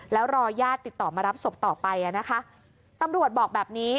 แล้วรอญาติติดต่อมารับศพต่อไปตรวจบอกแบบนี้